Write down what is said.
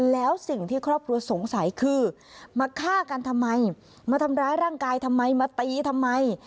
แล้วสิ่งที่ครอบครัวสงสัยคือมาฆ่ากันทำไมมาทำร้ายร่างกายทำไมมาตีทำไม